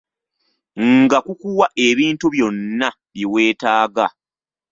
Nga kukuwa ebintu byonna bye weetaaga.